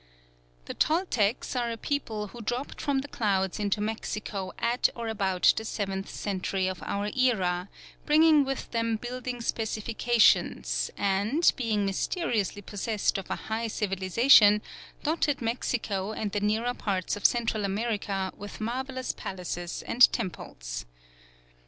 The Toltecs are a people who dropped from the clouds into Mexico at or about the seventh century of our era, bringing with them building specifications, and, being mysteriously possessed of a high civilisation, dotted Mexico and the nearer parts of Central America with marvellous palaces and temples.